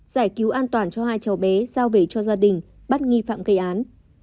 giải cứu an toàn cho hai cháu bé giao về cho gia đình bắt nghi phạm gây án